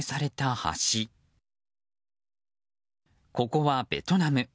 ここはベトナム。